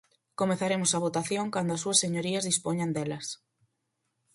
Comezaremos a votación cando as súas señorías dispoñan delas.